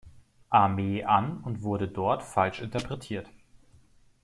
Armee an und wurde dort falsch interpretiert.